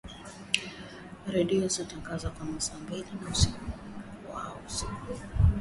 Redio inatangaza kwa saa mbili kwa siku